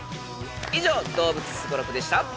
以上動物スゴロクでした。